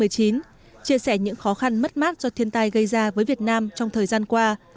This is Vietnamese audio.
chia sẻ những khó khăn mất mát do thiên tai gây ra với việt nam trong thời gian qua